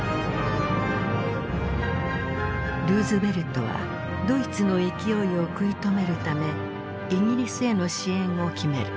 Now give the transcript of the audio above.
ルーズベルトはドイツの勢いを食い止めるためイギリスへの支援を決める。